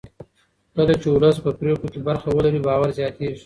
کله چې ولس په پرېکړو کې برخه ولري باور زیاتېږي